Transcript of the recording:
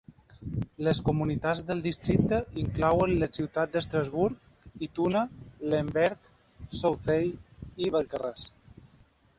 Les comunitats del districte inclouen les ciutats d'Estrasburg, Ituna, Lemberg, Southey i Balcarres.